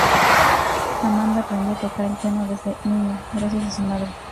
Amanda aprendió a tocar el piano desde niña gracias a su madre.